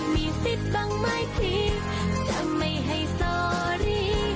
มีสิทธิ์บ้างไหมพี่จะไม่ให้ซอรี่